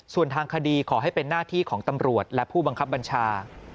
ส่วนทางคดีขอให้เป็นหน้าที่ของตำรวจและผู้บังคับบัญชา